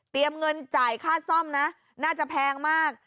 เงินจ่ายค่าซ่อมนะน่าจะแพงมาก